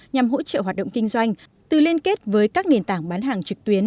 nhằm hỗ trợ hoạt động kinh doanh từ liên kết với các nền tảng bán hàng trực tuyến